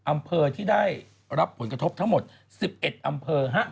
อำเภอที่ได้รับผลกระทบทั้งหมด๑๑อำเภอ